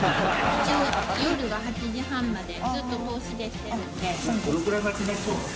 一応夜が８時半までずっと通しでしてるんで。